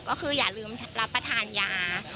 ก็คืออย่าลืมรับประทานยา